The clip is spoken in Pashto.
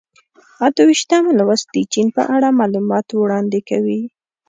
اته ویشتم لوست د چین په اړه معلومات وړاندې کوي.